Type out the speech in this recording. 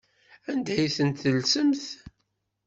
Anda ay ten-tellsemt?